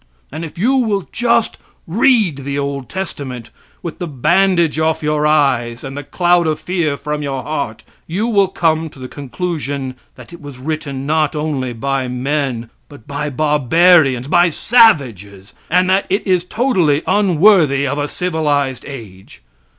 And if you will just read the old testament with the bandage off your eyes and the cloud of fear from your heart, you will come to the conclusion that it was written not only by men, but by barbarians, by savages, and that it is totally unworthy of a civilized age.